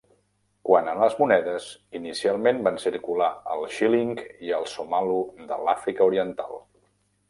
Quant a les monedes, inicialment van circular el xíling i el somalo de l'Àfrica oriental.